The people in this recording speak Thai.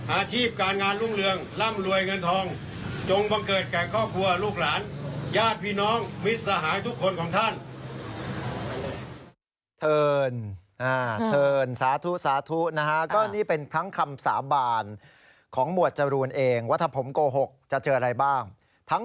อาชีพการงานรุ่งเรืองร่ำรวยเงินทอง